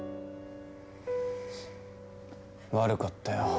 悪かったよ